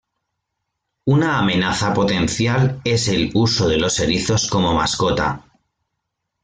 Una amenaza potencial es el uso de los erizos como mascotas.